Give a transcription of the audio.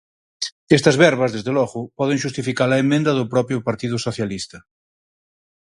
Estas verbas, desde logo, poden xustificar a emenda do propio Partido Socialista.